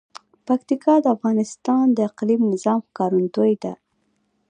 پکتیکا د افغانستان د اقلیمي نظام ښکارندوی ده.